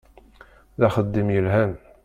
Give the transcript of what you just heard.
D axeddim yelhan.